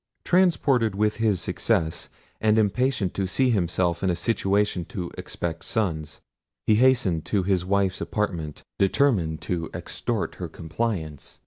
Transported with his success, and impatient to see himself in a situation to expect sons, he hastened to his wife's apartment, determined to extort her compliance.